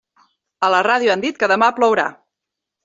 A la ràdio han dit que demà plourà.